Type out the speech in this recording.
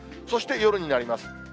そして夜になります。